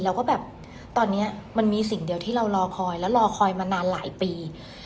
เราก็แบบตอนนี้มันมีสิ่งเดียวที่เรารอคอยแล้วรอคอยมานานหลายปี